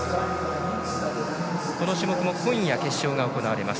この種目も今夜決勝が行われます。